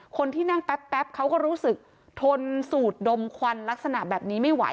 คนที่นั่งแป๊บเขาก็รู้สึกทนสูดดมควันลักษณะแบบนี้ไม่ไหว